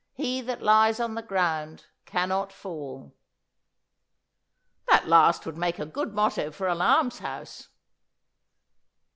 He that lies on the ground cannot fall!" That last would make a good motto for an almshouse.